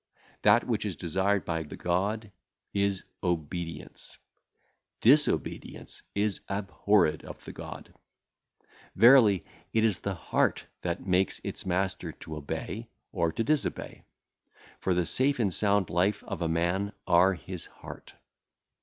That which is desired by the God is obedience; disobedience is abhorred of the God. Verily, it is the heart that maketh its master to obey or to disobey; for the safe and sound life of a man are his heart.